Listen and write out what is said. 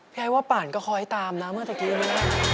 พี่อายว่าปันก็คล้อยตามนะเมื่อกี้นะ